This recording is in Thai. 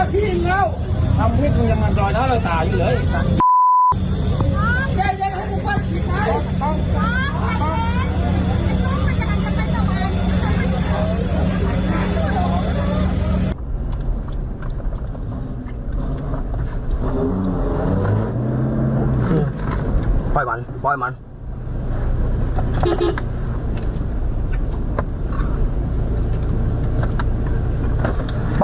ปล่อยหมันปล่อยหมัน